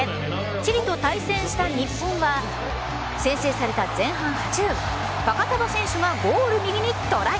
チリと対戦した日本は先制された前半８分若手の選手がゴール右にトライ。